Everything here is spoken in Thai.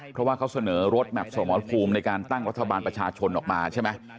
เพราะว่าเขาเสนอรถแมพสมรภูมิในการตั้งรัฐบาลประชาชนออกมาใช่ไหม